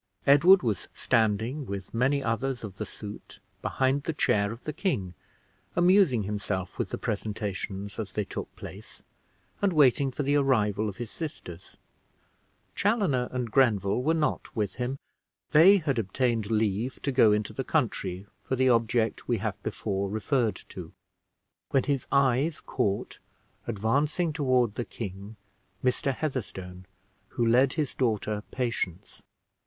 Edward was standing, with many others of the suit, behind the chair of the king, amusing himself with the presentations as they took place, and waiting for the arrival of his sisters Chaloner and Grenville were not with him, they had obtained leave to go into the country, for the object we have before referred to when his eyes caught, advancing toward the king, Mr. Heatherstone, who led his daughter, Patience.